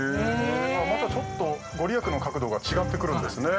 ◆またちょっとご利益の角度が違ってくるんですね。